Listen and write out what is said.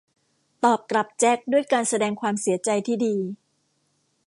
ตอบกลับแจ็คด้วยการแสดงความเสียใจที่ดี